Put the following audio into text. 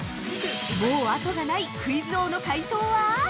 ◆もう後がないクイズ王の解答は？